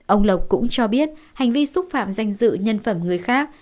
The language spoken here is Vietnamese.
ông lộc cũng cho biết hành vi xúc phạm danh dự nhân phẩm người khác